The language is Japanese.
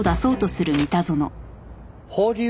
保留。